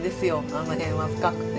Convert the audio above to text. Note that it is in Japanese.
あの辺は深くて。